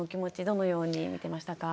どのように見てましたか？